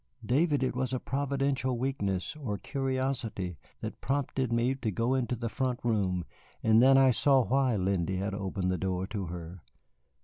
David, it was a providential weakness, or curiosity, that prompted me to go into the front room, and then I saw why Lindy had opened the door to her.